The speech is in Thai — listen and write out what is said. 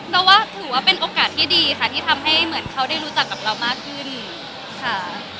เพราะว่าถือว่าเป็นโอกาสที่ดีค่ะที่ทำให้เหมือนเขาได้รู้จักกับเรามากขึ้นค่ะ